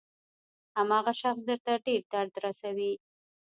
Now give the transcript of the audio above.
هماغه شخص درته ډېر درد رسوي.